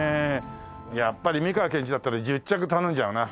やっぱり美川憲一だったら１０着頼んじゃうな。